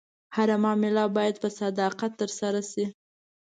هره معامله باید په صداقت ترسره شي.